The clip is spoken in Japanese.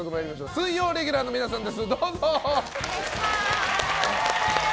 水曜レギュラーの皆さんです。